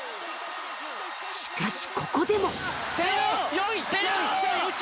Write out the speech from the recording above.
しかしここでも。